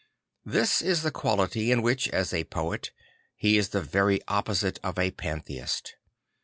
This is the quality in which, as a poet, he is the very opposite of a pantheist.